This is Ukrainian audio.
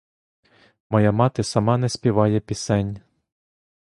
Моя мати сама не співає пісень.